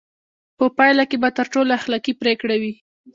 په پایله کې به تر ټولو اخلاقي پرېکړه وي.